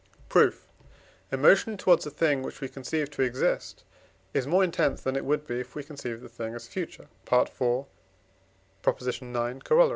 Proof. Emotion towards a thing, which we conceive to exist, is more intense than it would be, if we conceived the thing as future (IV. ix. Coroll.)